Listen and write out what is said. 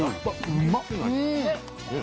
うまっ！